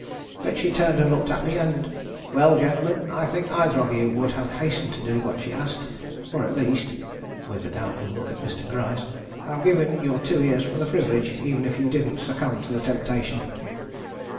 But she turned and looked at me, and Well, gentlemen, I think either of you would have hastened to do what she asked; or at least" with a doubtful look at Mr. Gryce "have given your two ears for the privilege, even if you didn't succumb to the temptation."